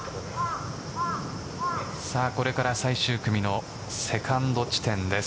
これから最終組のセカンド地点です。